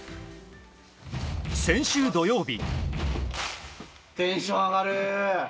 先週土曜日。